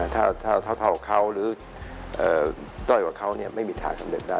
ถ้าเท่าเขาหรือด้อยกว่าเขาไม่มีทางสำเร็จได้